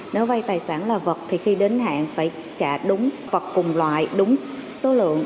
nếu vay tài sản là vật thì khi đến hạn phải trả đúng vật cùng loại đúng số lượng